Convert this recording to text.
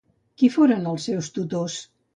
Qui foren els seus tutors?